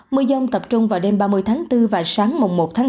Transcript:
mưa dông tập trung vào đêm ba mươi tháng bốn và sáng mùng một tháng năm